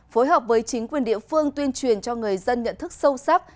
phối hợp với chính quyền địa phương tuyên truyền cho người dân nhận thức sâu sắc